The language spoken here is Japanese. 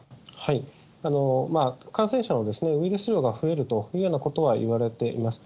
感染者のウイルス量が増えるというようなことはいわれています。